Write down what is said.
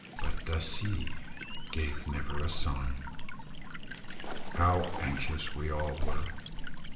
But the sea gave never a sign. How anxious we all were!